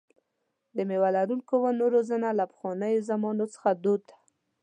د مېوه لرونکو ونو روزنه له پخوانۍ زمانې څخه دود ده.